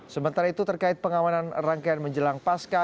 sementara itu terkait pengamanan rangkaian menjelang pasca